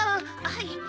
はい。